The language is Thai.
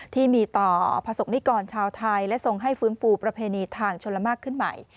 ที่มีต่อประสบนิกรชาวไทยและทรงให้ฟื้นฟูประเพณีทางชลมากขึ้นใหม่